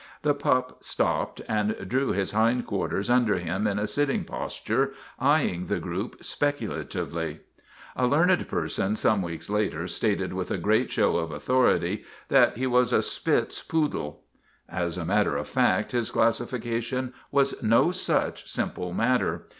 The pup stopped and drew his hind quarters under him in a sitting posture, eyeing the group specula tively. A learned person, some w r eeks later, stated with a great show of authority that he was a " Spitz SPIDER OF THE NEWSIES 161 poodle." As a matter of fact his classification was no such simple matter.